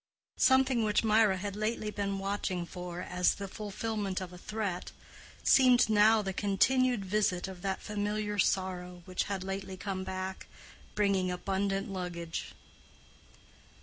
Something which Mirah had lately been watching for as the fulfilment of a threat, seemed now the continued visit of that familiar sorrow which had lately come back, bringing abundant luggage.